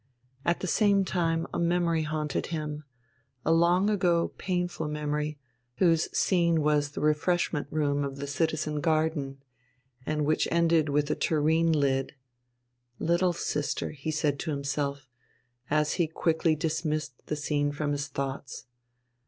At the same time a memory haunted him, a long ago, painful memory, whose scene was the refreshment room of the "Citizen Garden," and which ended in a tureen lid "Little sister!" he said to himself, as he quickly dismissed the scene from his thoughts.